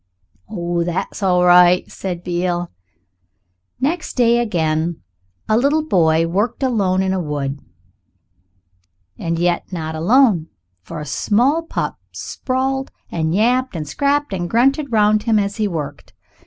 "Oh! that's all right," said Beale. Next day again a little boy worked alone in a wood, and yet not alone, for a small pup sprawled and yapped and scrapped and grunted round him as he worked.